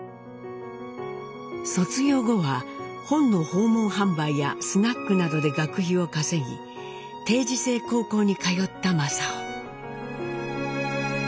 卒業後は本の訪問販売やスナックなどで学費を稼ぎ定時制高校に通った正雄。